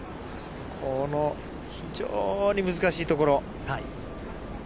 非常に難しいところ。